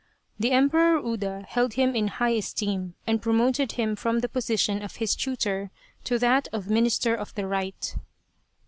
The Emperor Uda held him in high esteem and promoted him from the position of his tutor to that of Minister of the Right.